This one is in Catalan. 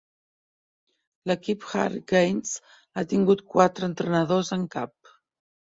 L'equip Hurricanes ha tingut quatre entrenadors en cap.